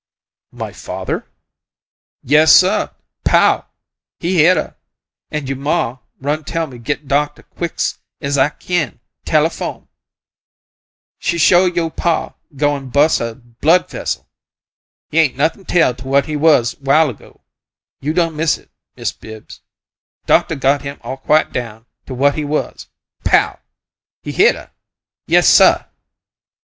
"My father?" "YESsuh! POW! he hit 'er! An' you' ma run tell me git doctuh quick 's I kin telefoam she sho' you' pa goin' bus' a blood vessel. He ain't takin' on 'tall NOW. He ain't nothin' 'tall to what he was 'while ago. You done miss' it, Mist' Bibbs. Doctuh got him all quiet' down, to what he was. POW! he hit'er! Yessuh!"